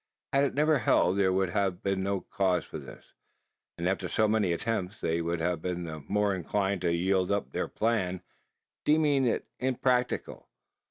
Had it never held, there would have been no cause for this; and after so many attempts, they would have been the more inclined to yield up their plan, deeming it impracticable.